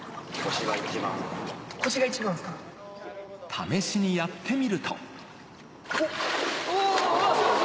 試しにやってみると。